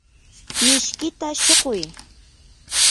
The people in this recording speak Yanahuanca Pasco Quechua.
mishkita shuquy.